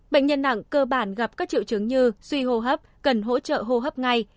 bệnh nhân nặng cơ bản gặp các triệu chứng như suy hô hấp cần hỗ trợ hô hấp ngay